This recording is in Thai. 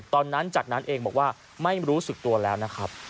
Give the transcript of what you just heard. ตอนนั้นจากนั้นเองบอกว่าไม่รู้สึกตัวแล้วนะครับ